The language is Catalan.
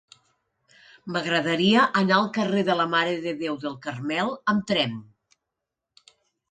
M'agradaria anar al carrer de la Mare de Déu del Carmel amb tren.